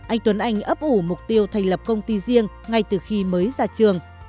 anh tuấn anh ấp ủ mục tiêu thành lập công ty riêng ngay từ khi mới ra trường